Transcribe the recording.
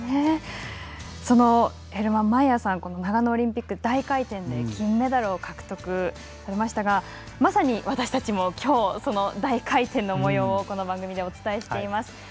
ヘルマン・マイヤーさん長野オリンピック大回転で金メダルを獲得されましたがまさに、私たちも今日その大回転のもようをこの番組でお伝えしています。